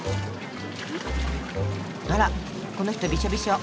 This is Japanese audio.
あらこの人びしょびしょ。